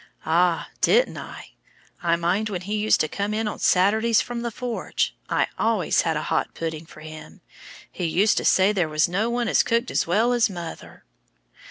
"Ah! Didn't I? I mind when he used to come in on Saturdays from the forge, I always had a hot pudding for him. He used to say there was no one as cooked as well as mother."